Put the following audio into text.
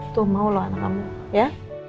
tuh mau loh anak kamu ya